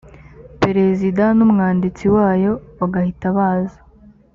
perezida n’umwanditsi wayo bagahita baza